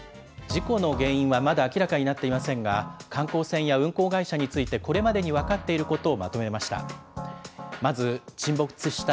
事故の原因はまだ明らかになっていませんが、観光船や運航会社についてこれまでに分かっていることをまとめました。